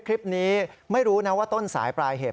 คลิปนี้ไม่รู้นะว่าต้นสายปลายเหตุ